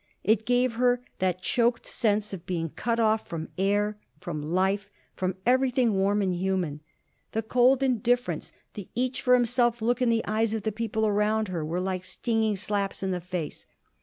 It gave her that choked sense of being cut off from air, from life, from everything warm and human. The cold indifference, the each for himself look in the eyes of the people about her were like stinging slaps in the face.